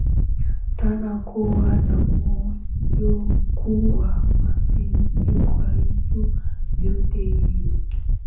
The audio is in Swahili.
tena kuwa na moyo mkuu wa mapenzi kwa vitu vyote Hii ni